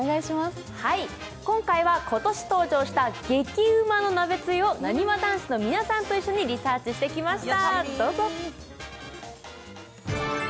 今回は今年登場した激うまの鍋つゆをなにわ男子の皆さんと一緒にリサーチしてきました。